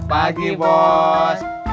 selamat pagi bos